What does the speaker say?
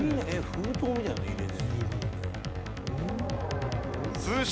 封筒みたいなのに入れて。